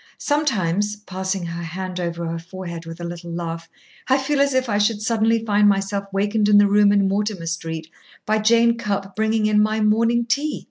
Sometimes," passing her hand over her forehead with a little laugh, "I feel as if I should suddenly find myself wakened in the room in Mortimer Street by Jane Cupp bringing in my morning tea.